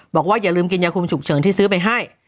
อย่าลืมกินยาคุมฉุกเฉินที่ซื้อไปให้